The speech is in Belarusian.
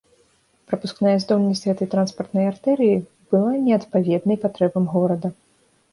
Прапускная здольнасць гэтай транспартнай артэрыі была неадпаведнай патрэбам горада.